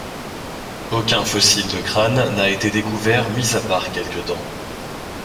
Aucun fossile de crâne n'a été découvert mis à part quelques dents.